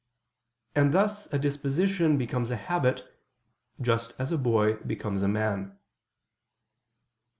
And thus a disposition becomes a habit, just as a boy becomes a man.